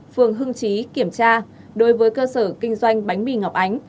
phương hưng chí kiểm tra đối với cơ sở kinh doanh bánh mì ngọc ánh